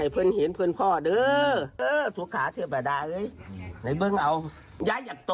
พี่เบอร์สพี่เบิร์สค่ะภิกัส